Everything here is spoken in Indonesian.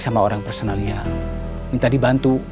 sekarang ketemu anak kecil